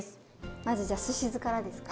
まずじゃすし酢からですか。